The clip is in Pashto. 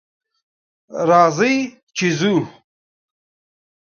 راځئ چې ځو